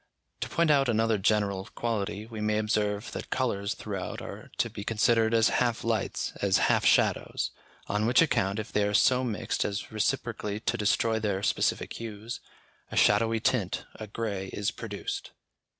To point out another general quality, we may observe that colours throughout are to be considered as half lights, as half shadows, on which account if they are so mixed as reciprocally to destroy their specific hues, a shadowy tint, a grey, is produced.